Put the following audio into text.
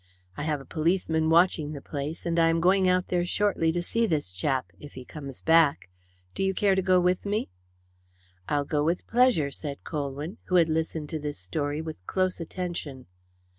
I have a policeman watching the place, and I am going out there shortly to see this chap if he comes back. Do you care to go with me?" "I'll go with pleasure," said Colwyn, who had listened to this story with close attention.